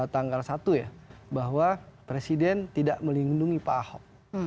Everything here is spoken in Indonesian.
tanggal satu ya bahwa presiden tidak melindungi pak ahok